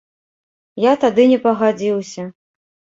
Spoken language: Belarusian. Я тады не пагадзіўся.